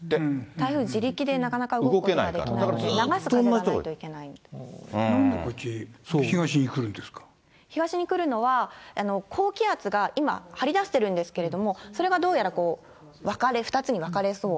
台風、自力でなかなか動くことができないので流す風がないといけないのなんでこっち、東に来るんで東に来るのは、高気圧が今、張り出してるんですけれども、それがどうやら、２つに分かれそう。